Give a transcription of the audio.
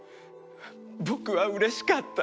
僕は嬉しかった。